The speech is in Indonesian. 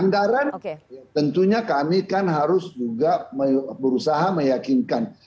tentunya kami kan harus juga berusaha meyakinkan